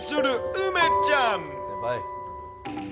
梅ちゃん。